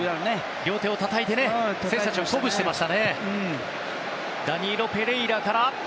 両手をたたいて選手たちを鼓舞していましたね。